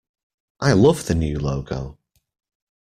I love the new logo!